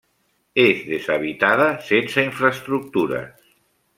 És deshabitada, sense infraestructures.